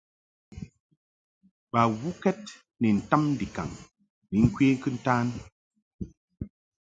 Bawukɛd ni ntam ndikaŋ ni ŋkwe kɨntan.